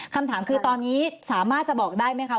คำถามคือตอนนี้สามารถจะบอกได้ไหมคะ